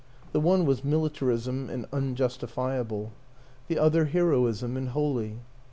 The one was militarism and unjustifiable; the other heroism and holy.